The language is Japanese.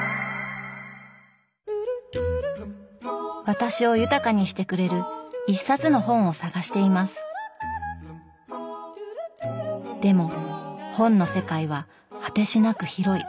私を豊かにしてくれる一冊の本を探していますでも本の世界は果てしなく広い。